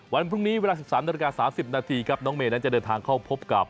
วันพรุ้งนี้๑๓๓๐นน้องเมณ่านจะเดินทางเข้าพบกับ